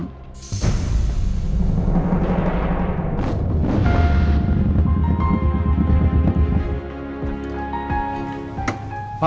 ini ada apa ya